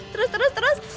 terus terus terus